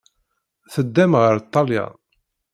Teddam ɣer Ṭṭalyan.